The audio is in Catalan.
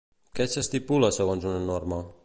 Què s'estipula segons una norma?